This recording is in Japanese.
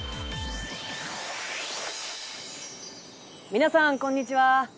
皆さんこんにちは。